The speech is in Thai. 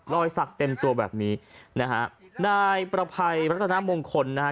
สักเต็มตัวแบบนี้นะฮะนายประภัยรัฐนามงคลนะฮะ